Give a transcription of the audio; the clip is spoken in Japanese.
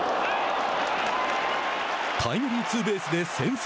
タイムリーツーベースで先制。